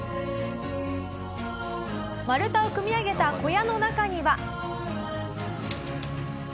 丸太を組み上げた小屋の中には。